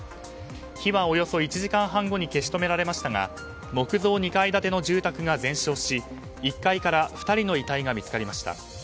火はおよそ１時間半後に消し止められましたが木造２階建ての住宅が全焼し１階から２人の遺体が見つかりました。